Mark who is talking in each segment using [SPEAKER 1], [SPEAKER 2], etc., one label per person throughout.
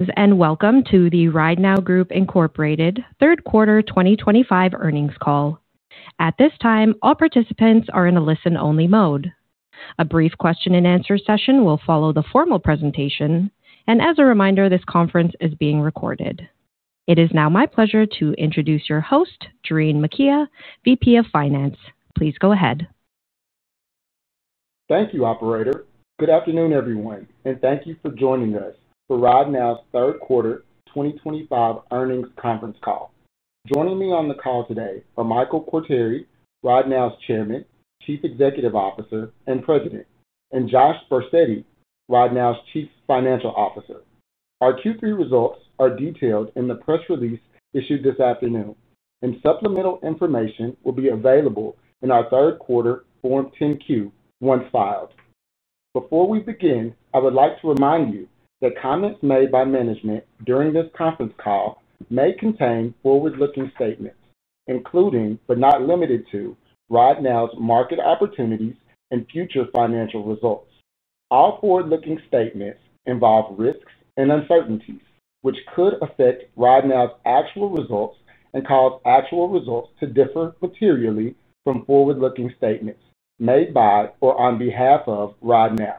[SPEAKER 1] Welcome to the RideNow Group, Incorporated, third quarter 2025 earnings call. At this time, all participants are in a listen-only mode. A brief question-and-answer session will follow the formal presentation, and as a reminder, this conference is being recorded. It is now my pleasure to introduce your host, Jerene Makia, VP of Finance. Please go ahead.
[SPEAKER 2] Thank you, Operator. Good afternoon, everyone, and thank you for joining us for RideNow's third quarter 2025 earnings conference call. Joining me on the call today are Michael Quartieri, RideNow's Chairman, Chief Executive Officer, and President, and Josh Barsetti, RideNow's Chief Financial Officer. Our Q3 results are detailed in the press release issued this afternoon, and supplemental information will be available in our third quarter Form 10-Q once filed. Before we begin, I would like to remind you that comments made by management during this conference call may contain forward-looking statements, including but not limited to RideNow's market opportunities and future financial results. All forward-looking statements involve risks and uncertainties, which could affect RideNow's actual results and cause actual results to differ materially from forward-looking statements made by or on behalf of RideNow.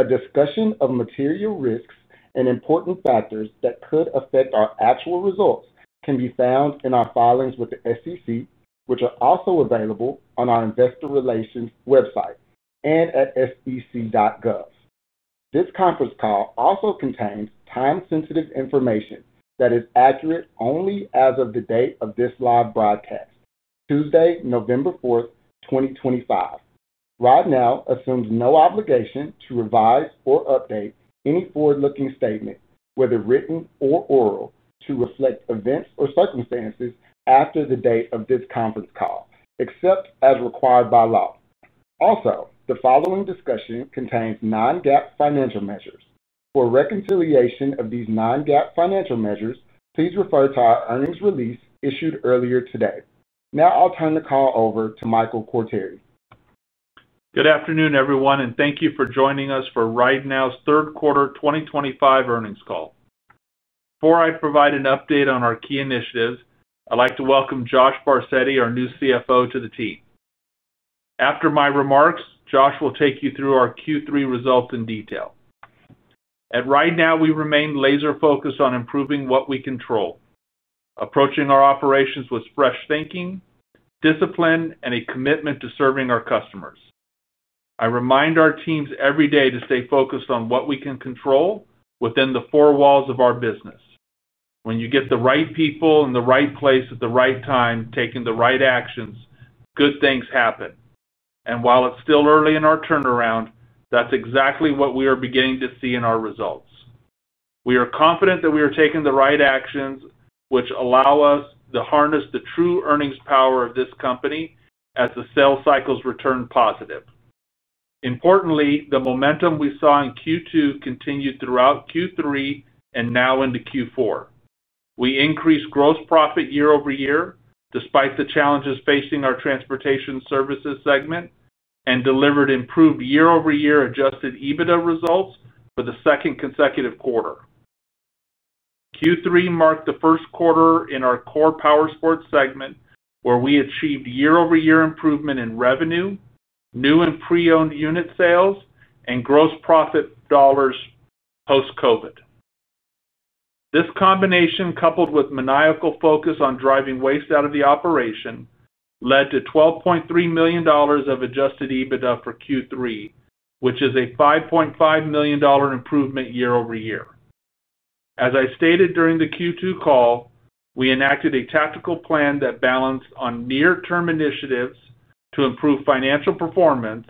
[SPEAKER 2] A discussion of material risks and important factors that could affect our actual results can be found in our filings with the SEC, which are also available on our Investor Relations website and at sec.gov. This conference call also contains time-sensitive information that is accurate only as of the date of this live broadcast, Tuesday, November 4th, 2025. RideNow assumes no obligation to revise or update any forward-looking statement, whether written or oral, to reflect events or circumstances after the date of this conference call, except as required by law. Also, the following discussion contains non-GAAP financial measures. For reconciliation of these non-GAAP financial measures, please refer to our earnings release issued earlier today. Now I'll turn the call over to Michael Quartieri.
[SPEAKER 3] Good afternoon, everyone, and thank you for joining us for RideNow's third quarter 2025 earnings call. Before I provide an update on our key initiatives, I'd like to welcome Josh Barsetti, our new CFO, to the team. After my remarks, Josh will take you through our Q3 results in detail. At RideNow, we remain laser-focused on improving what we control, approaching our operations with fresh thinking, discipline, and a commitment to serving our customers. I remind our teams every day to stay focused on what we can control within the four walls of our business. When you get the right people in the right place at the right time, taking the right actions, good things happen, and while it's still early in our turnaround, that's exactly what we are beginning to see in our results. We are confident that we are taking the right actions, which allow us to harness the true earnings power of this company as the sales cycles return positive. Importantly, the momentum we saw in Q2 continued throughout Q3 and now into Q4. We increased gross profit year-over-year despite the challenges facing our transportation services segment and delivered improved year-over-year adjusted EBITDA results for the second consecutive quarter. Q3 marked the first quarter in our core Powersports segment, where we achieved year-over-year improvement in revenue, new and pre-owned unit sales, and gross profit dollars post-COVID. This combination, coupled with maniacal focus on driving waste out of the operation, led to $12.3 million of adjusted EBITDA for Q3, which is a $5.5 million improvement year-over-year. As I stated during the Q2 call, we enacted a tactical plan that balanced on near-term initiatives to improve financial performance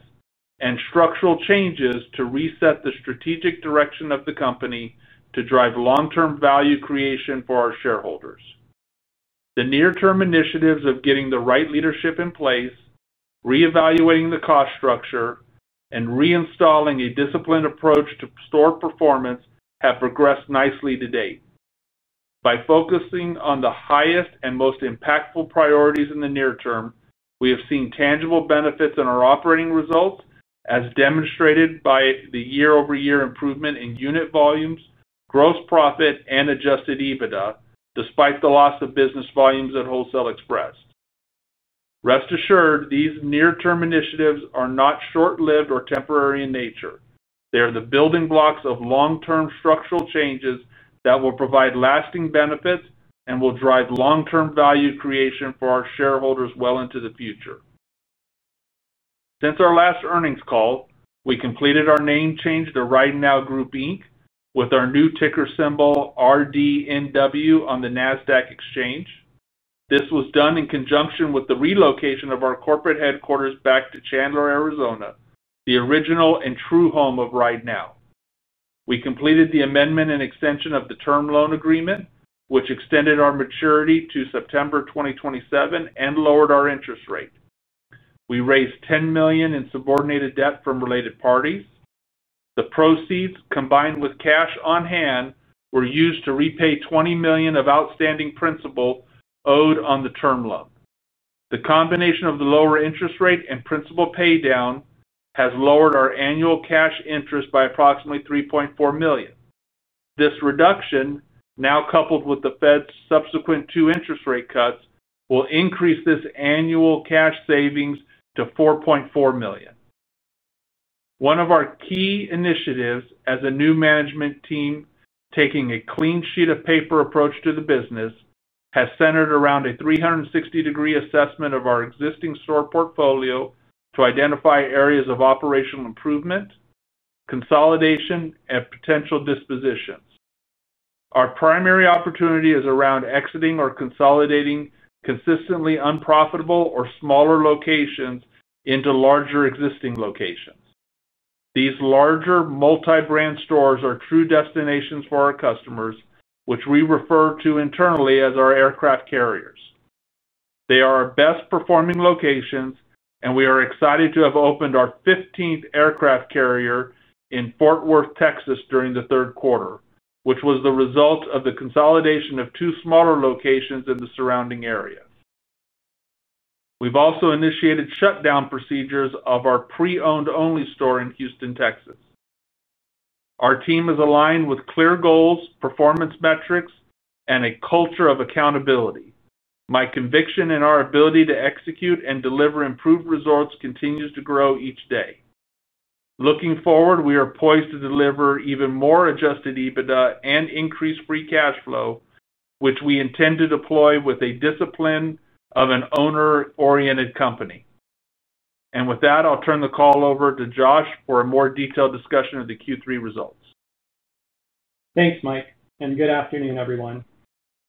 [SPEAKER 3] and structural changes to reset the strategic direction of the company to drive long-term value creation for our shareholders. The near-term initiatives of getting the right leadership in place, reevaluating the cost structure, and reinstalling a disciplined approach to store performance have progressed nicely to date. By focusing on the highest and most impactful priorities in the near term, we have seen tangible benefits in our operating results, as demonstrated by the year-over-year improvement in unit volumes, gross profit, and adjusted EBITDA, despite the loss of business volumes at Wholesale Express. Rest assured, these near-term initiatives are not short-lived or temporary in nature. They are the building blocks of long-term structural changes that will provide lasting benefits and will drive long-term value creation for our shareholders well into the future. Since our last earnings call, we completed our name change to RideNow Group, Inc. with our new ticker symbol RDNW on the NASDAQ exchange. This was done in conjunction with the relocation of our corporate headquarters back to Chandler, Arizona, the original and true home of RideNow. We completed the amendment and extension of the term loan agreement, which extended our maturity to September 2027 and lowered our interest rate. We raised $10 million in subordinated debt from related parties. The proceeds, combined with cash on hand, were used to repay $20 million of outstanding principal owed on the term loan. The combination of the lower interest rate and principal paydown has lowered our annual cash interest by approximately $3.4 million. This reduction, now coupled with the Fed's subsequent two interest rate cuts, will increase this annual cash savings to $4.4 million. One of our key initiatives, as a new management team taking a clean sheet of paper approach to the business, has centered around a 360-degree assessment of our existing store portfolio to identify areas of operational improvement, consolidation, and potential dispositions. Our primary opportunity is around exiting or consolidating consistently unprofitable or smaller locations into larger existing locations. These larger multi-brand stores are true destinations for our customers, which we refer to internally as our aircraft carriers. They are our best-performing locations, and we are excited to have opened our 15th aircraft carrier in Fort Worth, Texas, during the third quarter, which was the result of the consolidation of two smaller locations in the surrounding area. We've also initiated shutdown procedures of our pre-owned-only store in Houston, Texas. Our team is aligned with clear goals, performance metrics, and a culture of accountability. My conviction in our ability to execute and deliver improved results continues to grow each day. Looking forward, we are poised to deliver even more adjusted EBITDA and increased free cash flow, which we intend to deploy with a discipline of an owner-oriented company. And with that, I'll turn the call over to Josh for a more detailed discussion of the Q3 results.
[SPEAKER 4] Thanks, Mike, and good afternoon, everyone.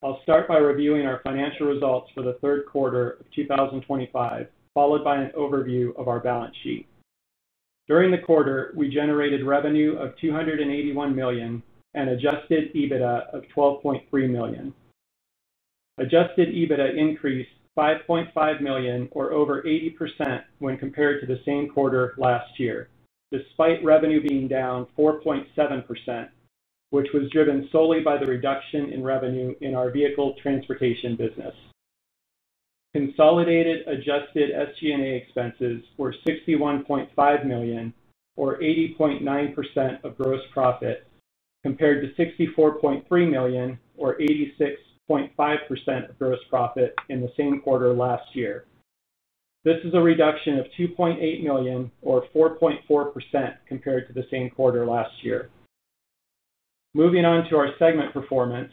[SPEAKER 4] I'll start by reviewing our financial results for the third quarter of 2025, followed by an overview of our balance sheet. During the quarter, we generated revenue of $281 million and adjusted EBITDA of $12.3 million. Adjusted EBITDA increased $5.5 million, or over 80%, when compared to the same quarter last year, despite revenue being down 4.7%, which was driven solely by the reduction in revenue in our vehicle transportation business. Consolidated adjusted SG&A expenses were $61.5 million, or 80.9% of gross profit, compared to $64.3 million, or 86.5% of gross profit in the same quarter last year. This is a reduction of $2.8 million, or 4.4%, compared to the same quarter last year. Moving on to our segment performance,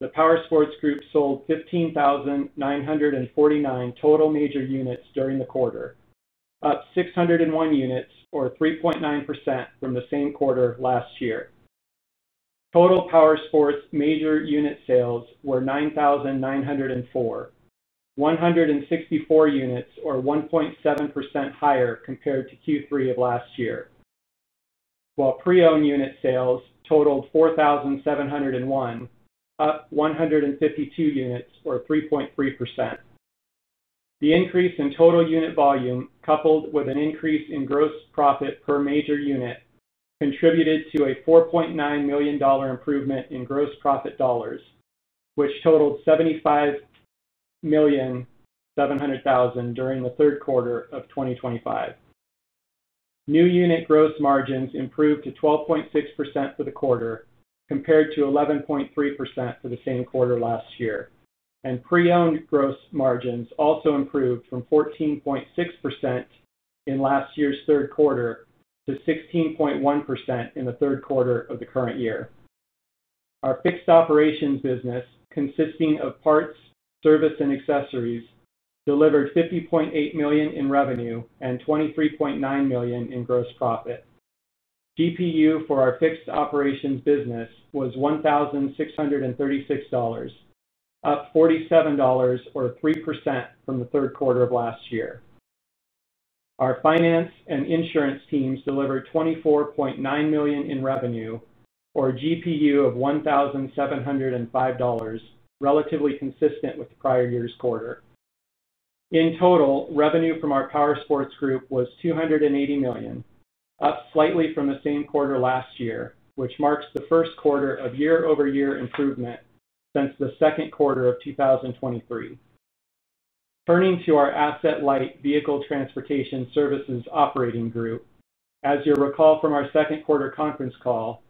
[SPEAKER 4] the Powersports Group sold 15,949 total major units during the quarter, up 601 units, or 3.9%, from the same quarter last year. Total Powersports major unit sales were 9,904, up 164 units, or 1.7% higher compared to Q3 of last year. While pre-owned unit sales totaled 4,701, up 152 units, or 3.3%. The increase in total unit volume, coupled with an increase in gross profit per major unit, contributed to a $4.9 million improvement in gross profit dollars, which totaled $75.7 million during the third quarter of 2025. New unit gross margins improved to 12.6% for the quarter, compared to 11.3% for the same quarter last year, and pre-owned gross margins also improved from 14.6% in last year's third quarter to 16.1% in the third quarter of the current year. Our fixed operations business, consisting of parts, service, and accessories, delivered $50.8 million in revenue and $23.9 million in gross profit. GPU for our fixed operations business was $1,636, up $47, or 3%, from the third quarter of last year. Our finance and insurance teams delivered $24.9 million in revenue, or GPU of $1,705, relatively consistent with the prior year's quarter. In total, revenue from our Powersports Group was $280 million, up slightly from the same quarter last year, which marks the first quarter of year-over-year improvement since the second quarter of 2023. Turning to our Asset Light Vehicle Transportation Services Operating Group, as you'll recall from our second quarter conference call,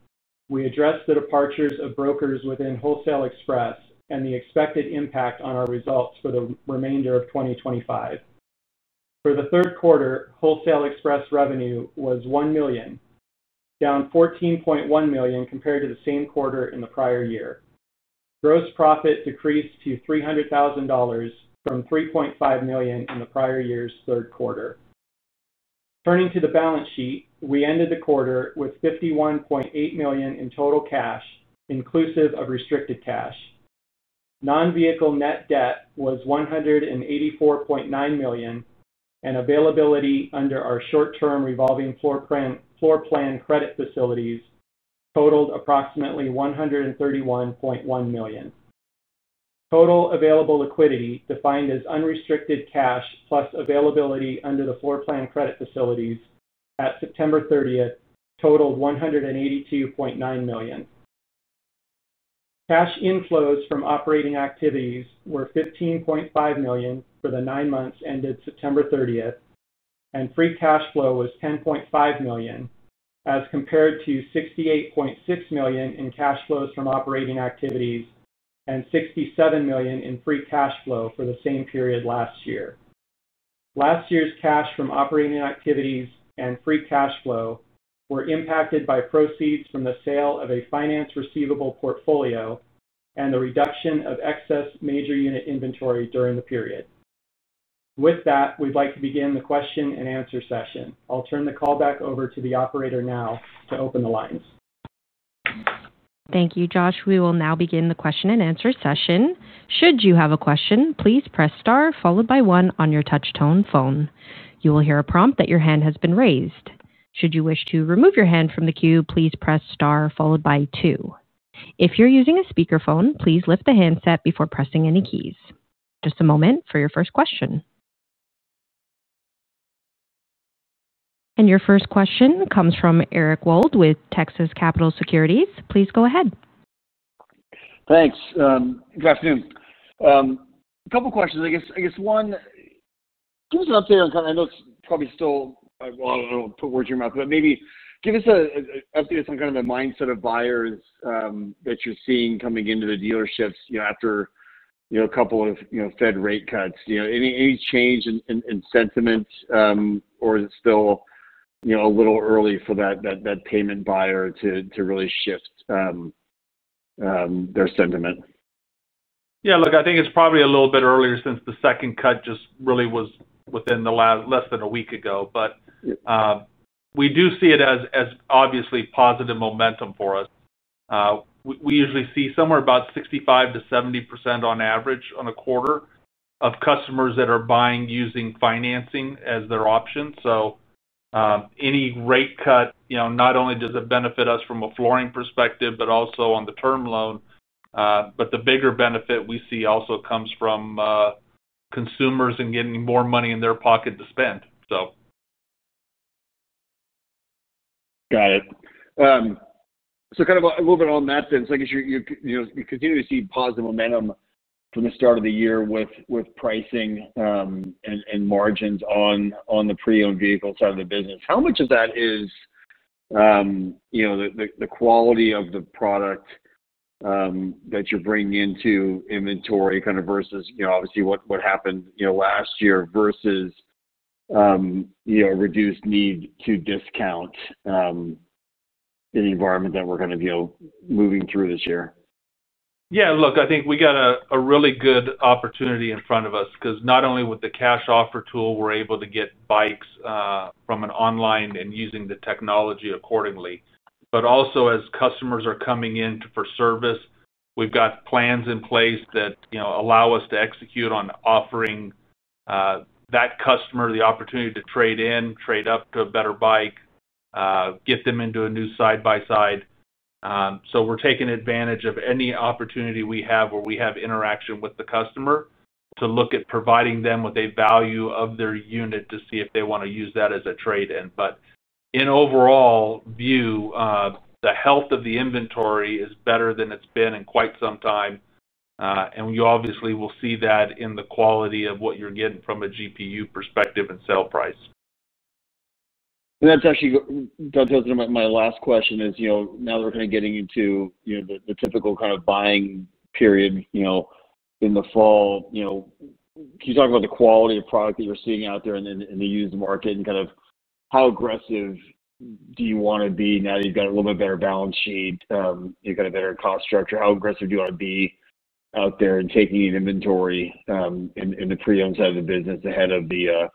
[SPEAKER 4] we addressed the departures of brokers within Wholesale Express and the expected impact on our results for the remainder of 2025. For the third quarter, Wholesale Express revenue was $1 million, down $14.1 million compared to the same quarter in the prior year. Gross profit decreased to $300,000 from $3.5 million in the prior year's third quarter. Turning to the balance sheet, we ended the quarter with $51.8 million in total cash, inclusive of restricted cash. Non-vehicle net debt was $184.9 million, and availability under our short-term revolving floor plan credit facilities totaled approximately $131.1 million. Total available liquidity, defined as unrestricted cash plus availability under the floor plan credit facilities at September 30th, totaled $182.9 million. Cash inflows from operating activities were $15.5 million for the nine months ended September 30th, and free cash flow was $10.5 million, as compared to $68.6 million in cash flows from operating activities and $67 million in free cash flow for the same period last year. Last year's cash from operating activities and free cash flow were impacted by proceeds from the sale of a finance receivable portfolio and the reduction of excess major unit inventory during the period. With that, we'd like to begin the question and answer session. I'll turn the call back over to the operator now to open the lines.
[SPEAKER 1] Thank you, Josh. We will now begin the question and answer session. Should you have a question, please press star followed by one on your touch-tone phone. You will hear a prompt that your hand has been raised. Should you wish to remove your hand from the queue, please press star followed by two. If you're using a speakerphone, please lift the handset before pressing any keys. Just a moment for your first question. And your first question comes from Eric Wold with Texas Capital Securities. Please go ahead.
[SPEAKER 5] Thanks. Good afternoon. A couple of questions. I guess one. Give us an update on kind of, I know it's probably still. I don't want to put words in your mouth, but maybe give us an update on kind of the mindset of buyers that you're seeing coming into the dealerships after a couple of Fed rate cuts. Any change in sentiment, or is it still a little early for that payment buyer to really shift their sentiment?
[SPEAKER 3] Yeah, look, I think it's probably a little bit earlier since the second cut just really was within the last less than a week ago. But we do see it as obviously positive momentum for us. We usually see somewhere about 65%-70% on average on a quarter of customers that are buying using financing as their option. So any rate cut, not only does it benefit us from a flooring perspective, but also on the term loan. But the bigger benefit we see also comes from consumers and getting more money in their pocket to spend, so.
[SPEAKER 5] Got it. So kind of a little bit on that sense, I guess you continue to see positive momentum from the start of the year with pricing and margins on the pre-owned vehicle side of the business. How much of that is the quality of the product that you're bringing into inventory kind of versus obviously what happened last year versus reduced need to discount in the environment that we're kind of moving through this year?
[SPEAKER 3] Yeah, look, I think we got a really good opportunity in front of us because not only with the cash offer tool, we're able to get bikes from an online and using the technology accordingly, but also as customers are coming in for service, we've got plans in place that allow us to execute on offering that customer the opportunity to trade in, trade up to a better bike, get them into a new side-by-side. So we're taking advantage of any opportunity we have where we have interaction with the customer to look at providing them with a value of their unit to see if they want to use that as a trade-in. But, in overall view, the health of the inventory is better than it's been in quite some time, and you obviously will see that in the quality of what you're getting from a GPU perspective and sale price.
[SPEAKER 5] And that's actually tells me my last question is, now that we're kind of getting into the typical kind of buying period in the fall. Can you talk about the quality of product that you're seeing out there in the used market and kind of how aggressive do you want to be now that you've got a little bit better balance sheet, you've got a better cost structure? How aggressive do you want to be out there in taking in inventory in the pre-owned side of the business ahead of the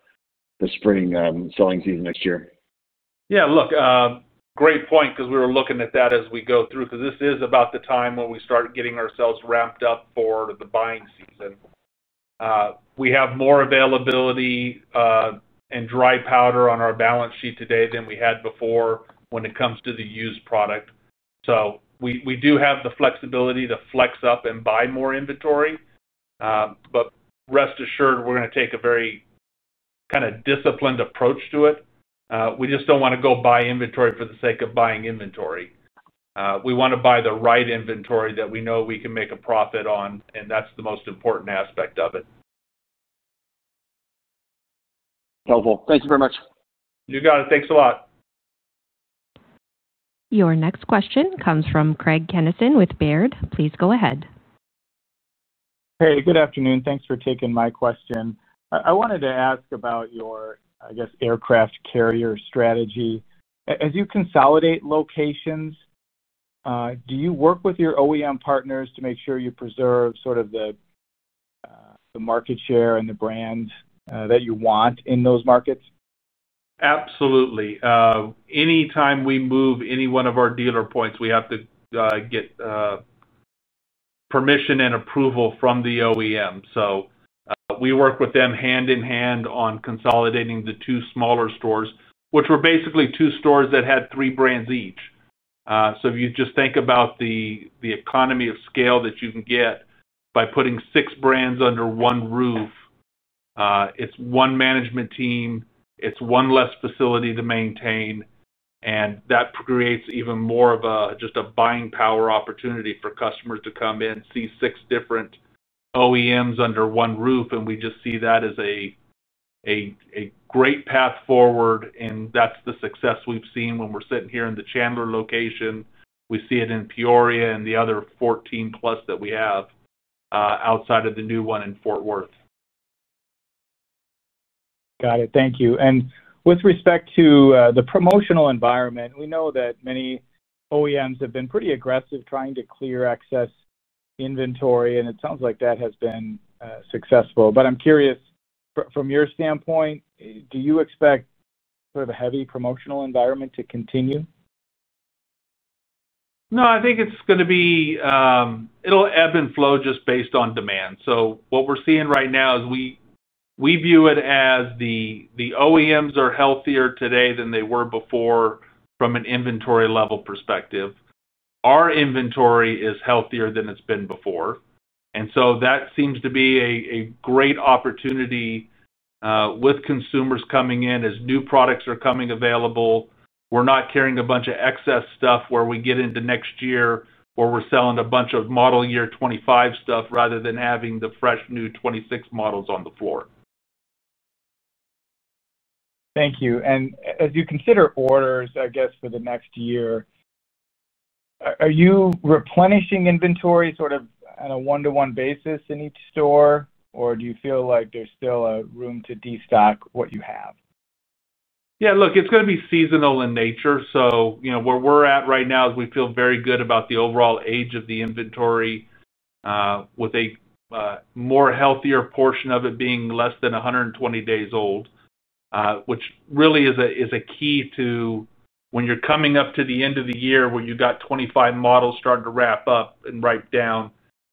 [SPEAKER 5] spring selling season next year?
[SPEAKER 3] Yeah, look, great point because we were looking at that as we go through because this is about the time when we start getting ourselves ramped up for the buying season. We have more availability and dry powder on our balance sheet today than we had before when it comes to the used product. So we do have the flexibility to flex up and buy more inventory. But rest assured, we're going to take a very kind of disciplined approach to it. We just don't want to go buy inventory for the sake of buying inventory. We want to buy the right inventory that we know we can make a profit on, and that's the most important aspect of it.
[SPEAKER 5] Helpful. Thank you very much.
[SPEAKER 3] You got it. Thanks a lot.
[SPEAKER 1] Your next question comes from Craig Kennison with Baird. Please go ahead.
[SPEAKER 6] Hey, good afternoon. Thanks for taking my question. I wanted to ask about your, I guess, aircraft carrier strategy as you consolidate locations. Do you work with your OEM partners to make sure you preserve sort of the market share and the brand that you want in those markets?
[SPEAKER 3] Absolutely. Anytime we move any one of our dealer points, we have to get permission and approval from the OEM. So we work with them hand in hand on consolidating the two smaller stores, which were basically two stores that had three brands each. So if you just think about the economy of scale that you can get by putting six brands under one roof. It's one management team, it's one less facility to maintain, and that creates even more of just a buying power opportunity for customers to come in, see six different OEMs under one roof, and we just see that as a great path forward, and that's the success we've seen when we're sitting here in the Chandler location. We see it in Peoria and the other 14 plus that we have outside of the new one in Fort Worth.
[SPEAKER 6] Got it. Thank you. And with respect to the promotional environment, we know that many OEMs have been pretty aggressive trying to clear excess inventory, and it sounds like that has been successful. But I'm curious, from your standpoint, do you expect sort of a heavy promotional environment to continue?
[SPEAKER 3] No, I think it's going to be. It'll ebb and flow just based on demand. So what we're seeing right now is, we view it as the OEMs are healthier today than they were before from an inventory level perspective. Our inventory is healthier than it's been before. And so that seems to be a great opportunity. With consumers coming in as new products are coming available. We're not carrying a bunch of excess stuff where we get into next year where we're selling a bunch of model year 2025 stuff rather than having the fresh new 2026 models on the floor.
[SPEAKER 6] Thank you, and as you consider orders, I guess, for the next year, are you replenishing inventory sort of on a one-to-one basis in each store, or do you feel like there's still room to destock what you have?
[SPEAKER 3] Yeah, look, it's going to be seasonal in nature. So where we're at right now is we feel very good about the overall age of the inventory. With a more healthier portion of it being less than 120 days old, which really is a key to when you're coming up to the end of the year where you've got 25 models starting to wrap up and write down,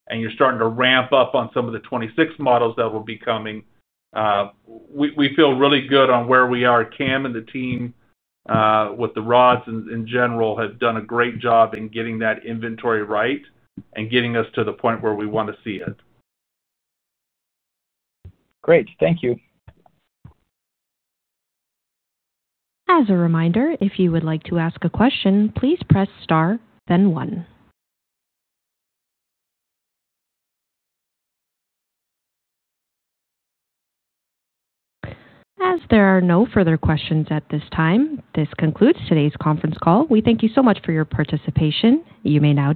[SPEAKER 3] and you're starting to ramp up on some of the '26 models that will be coming. We feel really good on where we are. Cam and the team with the rods in general have done a great job in getting that inventory right and getting us to the point where we want to see it.
[SPEAKER 6] Great. Thank you.
[SPEAKER 1] As a reminder, if you would like to ask a question, please press star, then one. As there are no further questions at this time, this concludes today's conference call. We thank you so much for your participation. You may now.